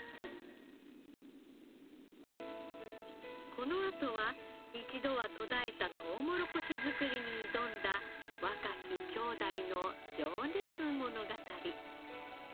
このあとは一度は途絶えたとうもろこし作りに挑んだ若き兄弟の情熱物語。